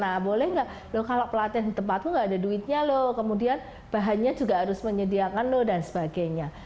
nah boleh nggak kalau pelatih di tempatku nggak ada duitnya lho kemudian bahannya juga harus menyediakan lho dan sebagainya